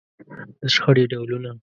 د شخړې ډولونه.